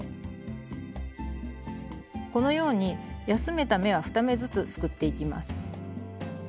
このように休めた目は２目ずつすくっていきます。